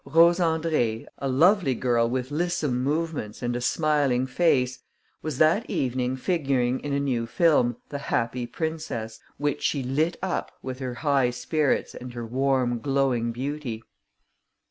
Rose Andrée, a lovely girl with lissome movements and a smiling face, was that evening figuring in a new film, The Happy Princess, which she lit up with her high spirits and her warm, glowing beauty.